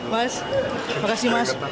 mas terima kasih mas